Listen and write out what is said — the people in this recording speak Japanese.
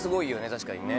確かにね。